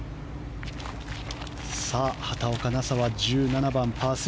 畑岡奈紗は１７番、パー３。